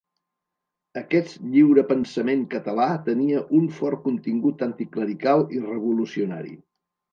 Aquest lliurepensament català tenia un fort contingut anticlerical i revolucionari.